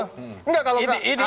kamu ketiga kalau